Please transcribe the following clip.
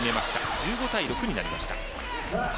１５対６になりました。